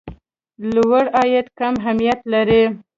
لوړ عاید کم اهميت لري.